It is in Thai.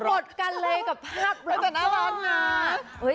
หมดกันเลยกับภาพบล็อกเกอร์